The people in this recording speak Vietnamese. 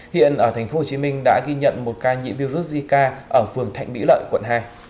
hiện ở tp hcm đã ghi nhận một ca nhiễm virus zika ở phường thạnh mỹ lợi quận hai